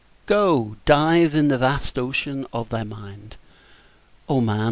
Go, dive in the vast ocean of thy mind, O man!